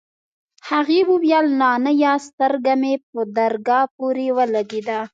هغې وويل نانيه سترگه مې په درگاه پورې ولگېده.